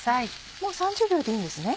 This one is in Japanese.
もう３０秒でいいんですね。